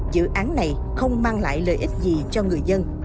dự án này không mang lại lợi ích gì cho người dân